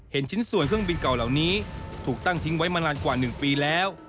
ชิ้นส่วนเครื่องบินเก่าเหล่านี้ถูกตั้งทิ้งไว้มานานกว่า๑ปีแล้ว